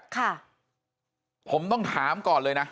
ค่ะผมต้องถามก่อนเลยนะ